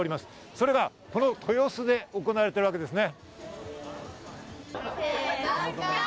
それがこの豊洲で行われているわけですね。